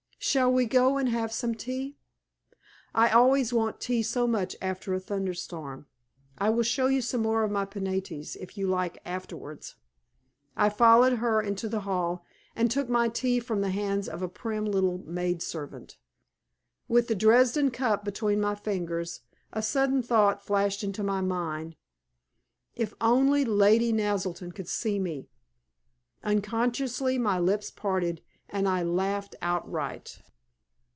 "Shall we go and have some tea? I always want tea so much after a thunderstorm. I will show you some more of my Penates, if you like afterwards." I followed her into the hall, and took my tea from the hands of a prim little maid servant. With the Dresden cup between my fingers a sudden thought flashed into my mind. If only Lady Naselton could see me. Unconsciously my lips parted, and I laughed outright.